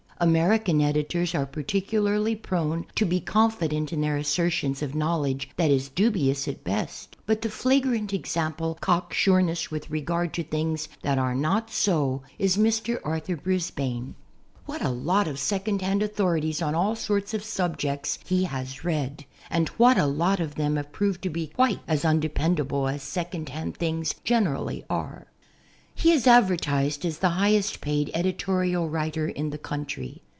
American editors are particularly prone to be confi dent in their assertions of knowledge that is dubious at best, but the flagrant example of cock sureness with regard to things that are not so is Mr. Arthur Brisbane. What a lot of second hand authorities on all sorts of subjects he has read and what a lot of them have proved to be quite as undependable as second hand things generally are. He is advertised as the highest paid editorial writer in the country.